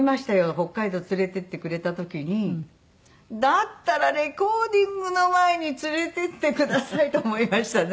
北海道連れて行ってくれた時にだったらレコーディングの前に連れて行ってくださいと思いましたね。